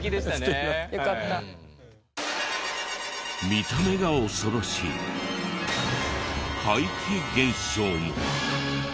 「見た目が恐ろしい」「怪奇現象も」。